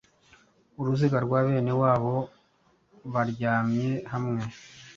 Uruziga rwa bene wabo baryamye hamwe